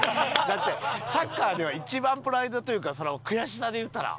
だってサッカーでは一番プライドというか悔しさでいうたら。